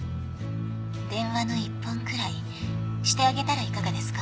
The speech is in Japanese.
電話の一本くらいしてあげたらいかがですか？